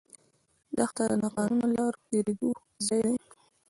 دښته د ناقانونه لارو تېرېدو ځای ده.